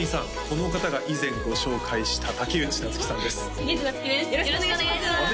このお方が以前ご紹介した竹内夏紀さんです竹内夏紀です